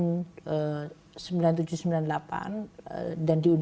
yang memang dilahirkan pada tahun seribu sembilan ratus dua puluh delapan